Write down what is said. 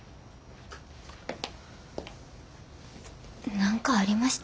何かありました？